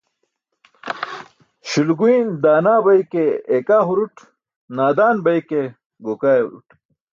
Śulguyn daana bay ke eekaa hurut, naadaan bay ke gookaa ewrut.